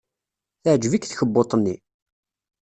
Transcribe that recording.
Teɛjeb-ik tkebbuḍt-nni?